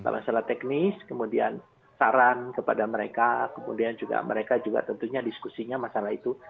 masalah teknis kemudian saran kepada mereka kemudian juga mereka juga tentunya diskusinya masalah itu